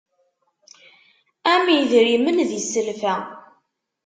Am idrimen di sselfa.